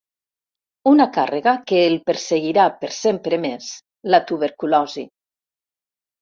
Una càrrega que el perseguirà per sempre més, la tuberculosi.